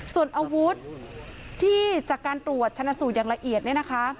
ส่วนอาวุธที่จากการตรวจชนะสูตรอย่างละเอียดเนี่ยนะคะ